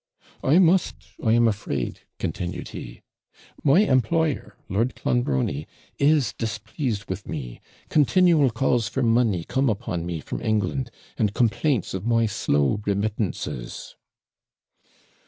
'I must, I am afraid,' continued he. 'My employer, Lord Clonbrony, is displeased with me continual calls for money come upon me from England, and complaints of my slow remittances.'